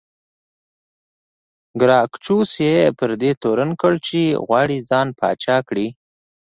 ګراکچوس یې پر دې تورن کړ چې غواړي ځان پاچا کړي